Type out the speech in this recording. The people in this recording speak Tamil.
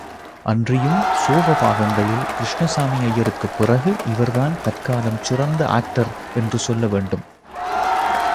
அன்றியும் சோக பாகங்களில், கிருஷ்ணசாமி ஐயருக்குப் பிறகு, இவர்தான் தற்காலம் சிறந்த ஆக்டர் என்று சொல்ல வேண்டும்.